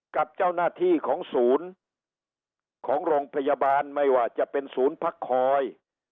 กับเจ้าหน้าที่ของศูนย์ของโรงพยาบาลไม่ว่าจะเป็นศูนย์พักคอย